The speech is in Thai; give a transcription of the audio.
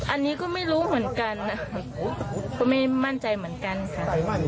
อันนี้ก็ไม่รู้เหมือนกันนะก็ไม่มั่นใจเหมือนกันค่ะ